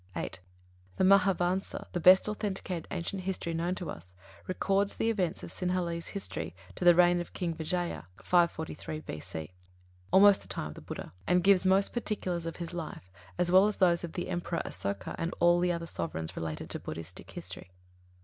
(8) The "Mahāvansa," the best authenticated ancient history known to us, records the events of Sinhalese history to the reign of King Vijaya, 543 B.C. almost the time of the Buddha and gives most particulars of his life, as well as those of the Emperor Asoka and all other sovereigns related to Buddhistic history.